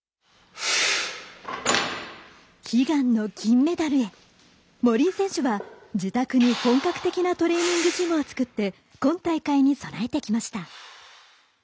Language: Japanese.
悲願の金メダルへ森井選手は自宅で本格的なトレーニングジムを作って今大会に備えてきました。